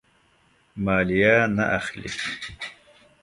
مالیه نه اخلي.